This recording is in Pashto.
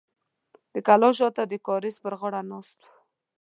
د کلا شاته د کاریز پر غاړه ناست و.